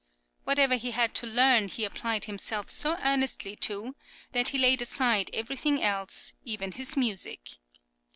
Whatever he had to learn he applied himself so earnestly to, that he laid aside everything else, even his music.